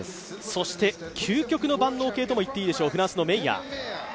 そして究極の万能系といっていいでしょう、フランスのメイヤー。